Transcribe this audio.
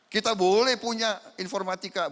kita boleh punya informatika boleh punya